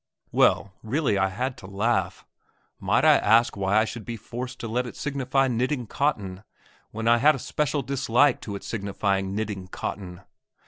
Well, really I had to laugh. Might I ask why should I be forced to let it signify knitting cotton, when I had a special dislike to its signifying knitting cotton?